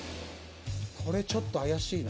これちょっと怪しいな。